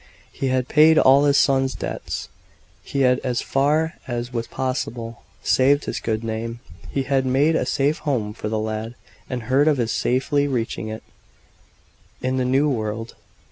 He had paid all his son's debts; he had, as far as was possible, saved his good name; he had made a safe home for the lad, and heard of his safely reaching it, in the New World.